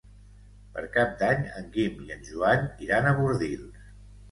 Per Cap d'Any en Guim i en Joan iran a Bordils.